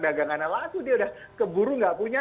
dagangannya lagu dia udah keburu nggak punya